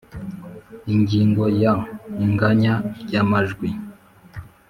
Ingingo ya inganya ry amajwi